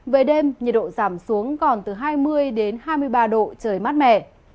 về đêm nhiệt độ giảm xuống còn từ hai mươi hai mươi ba độ trời mát mẻ